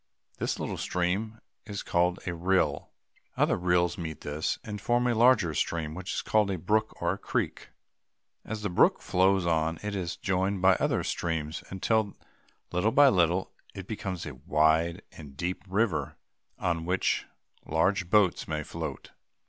This little stream is called a rill. Other rills meet this, and form a larger stream, which is called a brook or creek. [Illustration: RIVER FROM ITS SOURCE TO ITS MOUTH.] As the brook flows on, it is joined by other streams, until, little by little, it becomes a wide and deep river on which large boats may float.